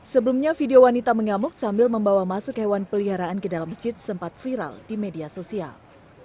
sebelumnya video wanita mengamuk sambil membawa masuk hewan peliharaan ke dalam masjid sempat viral di media sosial